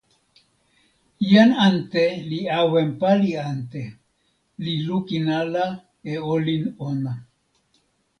jan ante li awen pali ante, li lukin ala e olin ona.